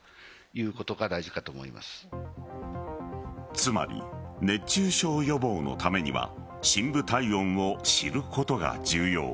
つまり、熱中症予防のためには深部体温を知ることが重要。